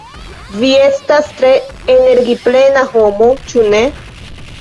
Vi estas tre energiplena homo, ĉu ne?